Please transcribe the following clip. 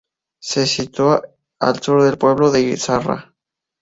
Se sitúa al sur del pueblo de Izarra.